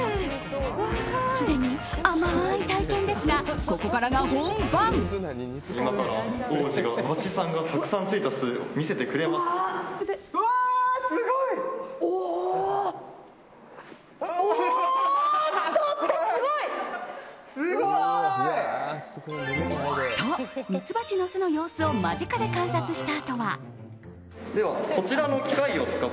すでに甘い体験ですがここからが本番。と、ミツバチの巣の様子を間近で観察したあとは。